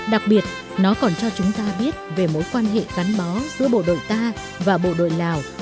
đặc biệt nó còn cho chúng ta biết về mối quan hệ gắn bó giữa bộ đội ta và bộ đội lào